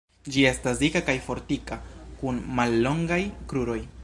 Ĝi estas dika kaj fortika kun mallongaj kruroj.